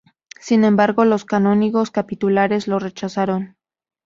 Sin embargo, los canónigos capitulares lo rechazaron.